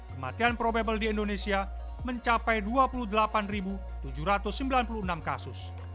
kematian probable di indonesia mencapai dua puluh delapan tujuh ratus sembilan puluh enam kasus